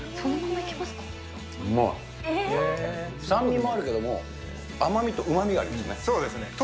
酸味もあるけども、甘みとうまみがありますね。